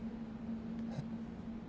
えっ？